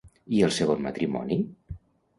I el segon matrimoni?